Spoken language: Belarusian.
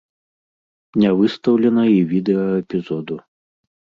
Не выстаўлена і відэа эпізоду.